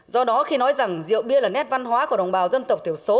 do đó khi nói rằng rượu bia là nét văn hóa của đồng bào dân tộc thiểu số